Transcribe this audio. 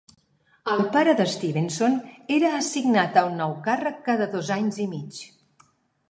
El pare de Stevenson era assignat a un nou càrrec cada dos anys i mig.